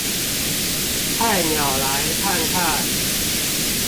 菜鳥來看看